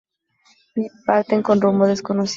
Y parten con rumbo desconocido.